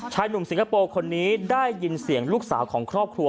หนุ่มสิงคโปร์คนนี้ได้ยินเสียงลูกสาวของครอบครัว